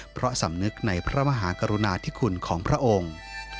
เพราะสำนึกในพระมหากรุณาธิคุณของพระองค์